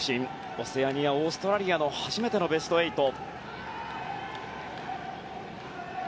オセアニア、オーストラリアの初めてのベスト８。